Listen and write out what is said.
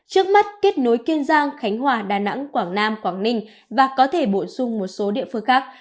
trước mắt kết nối kiên giang khánh hòa đà nẵng quảng nam quảng ninh và có thể bổ sung một số địa phương khác